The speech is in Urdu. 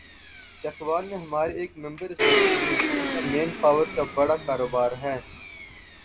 چکوال میں ہمارے ایک ممبر اسمبلی ہیں‘ جن کا مین پاور کا بڑا کاروبار ہے۔